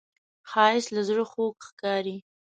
ښایست له زړه خوږ ښکاري